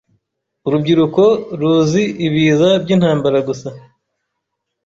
Urubyiruko ruzi ibiza byintambara gusa.